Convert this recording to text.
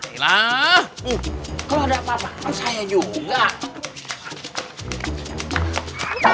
kalau ada apa apa saya juga